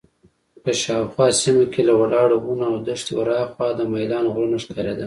په شاوخوا سیمه کې له ولاړو ونو او دښتې ورهاخوا د میلان غرونه ښکارېدل.